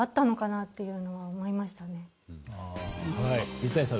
水谷さん